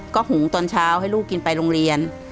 ก็หุงตอนเช้าให้ลูกกินไปโรงเรียน